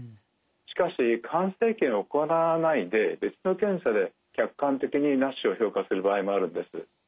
しかし肝生検を行わないで別の検査で客観的にＮＡＳＨを評価する場合もあるんです。